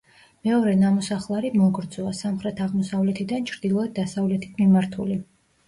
მეორე ნამოსახლარი მოგრძოა, სამხრეთ-აღმოსავლეთიდან ჩრდილოეთ-დასავლეთით მიმართული.